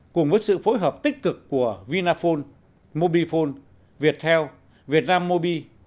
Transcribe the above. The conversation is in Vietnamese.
cùng với sự phối hợp tích cực của vinaphone mobifone viettel vietnammobi